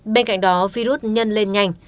bên cạnh đó virus nhân lên nhanh